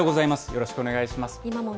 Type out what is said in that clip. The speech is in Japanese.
よろしくお願いします。